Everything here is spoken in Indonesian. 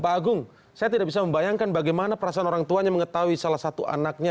pak agung saya tidak bisa membayangkan bagaimana perasaan orang tuanya mengetahui salah satu anaknya